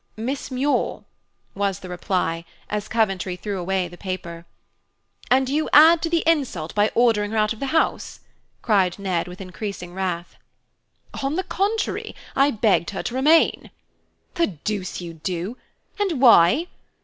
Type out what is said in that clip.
"Miss Muir" was the reply, as Coventry threw away the paper. "And you add to the insult by ordering her out of the house," cried Ned with increasing wrath. "On the contrary, I beg her to remain." "The deuce you do! And why?"